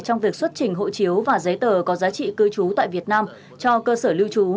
trong việc xuất trình hộ chiếu và giấy tờ có giá trị cư trú tại việt nam cho cơ sở lưu trú